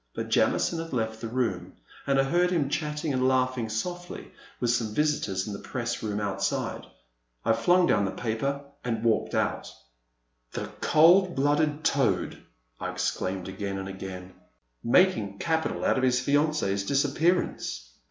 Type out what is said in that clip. But Jamison had left the room, and I heard him chat ting and laughing softly with some visitors in the press room outside. I fiung down the paper and walked out. 328 A Pleasant Evening. '* The cold blooded toad !'' I exclaimed again and again; —making capital out of his fiancee's disappearance